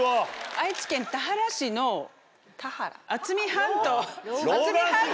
愛知県田原市の渥美半島渥美半島。